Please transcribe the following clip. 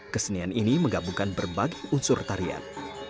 kesenian ini menggabungkan berbagai unsur tarian